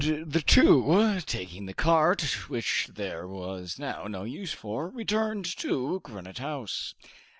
And the two, taking the cart, which there was now no use for, returned to Granite House.